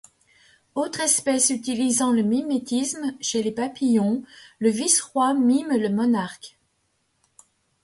Autre espèce utilisant le mimétisme, chez les papillons, le Vice-roi mime le Monarque.